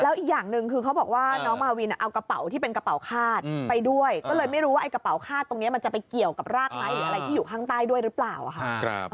อีกอย่างหนึ่งคือเขาบอกว่าน้องมาวินเอากระเป๋าที่เป็นกระเป๋าคาดไปด้วยก็เลยไม่รู้ว่าไอ้กระเป๋าคาดตรงนี้มันจะไปเกี่ยวกับรากไหมหรืออะไรที่อยู่ข้างใต้ด้วยหรือเปล่าค่ะ